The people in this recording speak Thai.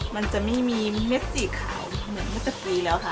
มันจะไม่มีเม็ดสีขาวเหมือนเมื่อสักปีแล้วค่ะ